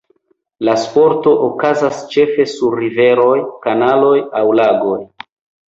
La sporto okazas ĉefe sur riveroj, kanaloj aŭ lagoj.